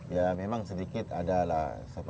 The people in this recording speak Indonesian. ya memang sedikit adalah